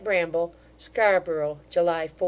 BRAMBLE SCARBOROUGH, July 4.